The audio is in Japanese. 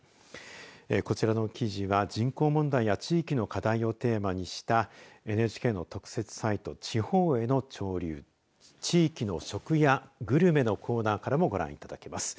こちらの記事は人口問題や地域の課題をテーマにしたＮＨＫの特設サイト地方への潮流地域の食やグルメのコーナーからもご覧いただけます。